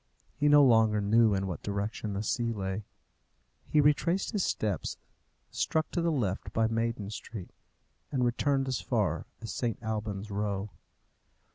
He no longer knew in what direction the sea lay. He retraced his steps, struck to the left by Maiden Street, and returned as far as St. Alban's Row.